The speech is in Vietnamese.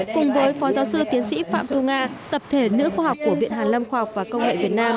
cùng với phó giáo sư tiến sĩ phạm thu nga tập thể nữ khoa học của viện hàn lâm khoa học và công nghệ việt nam